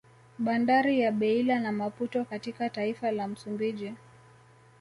Bandari ya Beila na Maputo katka taifa la Msumbiji